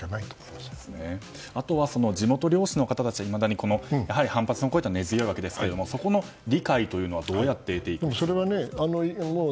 あとは地元漁師の方たちの反発の声は根強いわけですがそこの理解というのはどうやって得ていきましょうか。